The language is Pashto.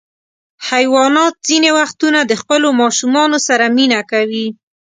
حیوانات ځینې وختونه د خپلو ماشومانو سره مینه کوي.